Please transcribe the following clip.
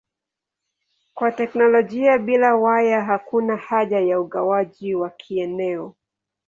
Kwa teknolojia bila waya hakuna haja ya ugawaji wa kieneo.